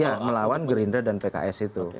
iya melawan gerindra dan pks itu